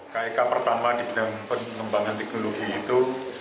kik pertama di bidang pengembangan teknologi itu